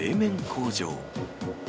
工場。